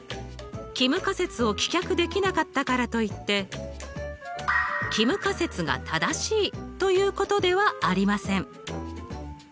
帰無仮説を棄却できなかったからといって帰無仮説が正しいということではありません。